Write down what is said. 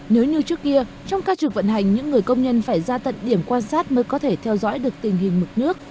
nếu như trước kia trong ca trực vận hành những người công nhân phải ra tận điểm quan sát mới có thể theo dõi được tình hình mực nước